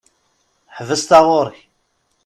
Ḥbes taɣuṛi!